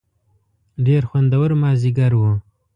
ډېر خوندور مازیګر و.